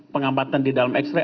pengambatan di dalam x ray